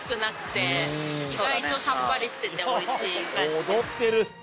躍ってる。